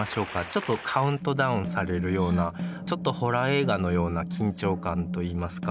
ちょっとカウントダウンされるようなちょっとホラー映画のような緊張感といいますか。